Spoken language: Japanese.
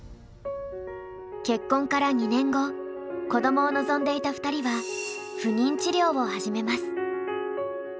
結婚から２年後子どもを望んでいた２人は不妊治療を始めます。